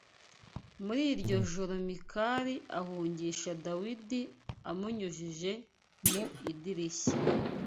muri iryo joro Mikali ahungisha Dawidi amunyujije mu idirishya